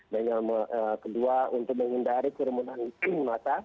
dan yang kedua untuk menghindari kerumunan imbun masa